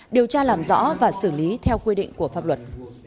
điều tra làm rõ và xử lý theo quy định của pháp luật